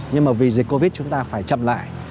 nhưng mà vì dịch covid chúng ta phải chậm lại